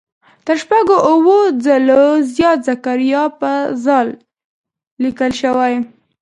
تر شپږ اووه ځله زیات زکریا په "ذ" لیکل شوی.